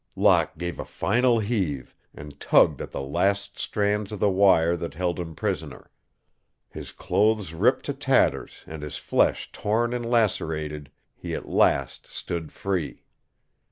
Locke gave a final heave and tugged at the last strands of the wire that held him prisoner. His clothes ripped to tatters and his flesh torn and lacerated, he at last stood free.